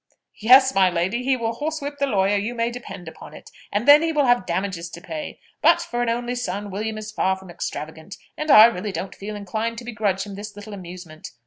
"Yes, my lady; he will horsewhip the lawyer, you may depend upon it: and then he will have damages to pay. But, for an only son, William is far from extravagant, and I really don't feel inclined to begrudge him this little amusement."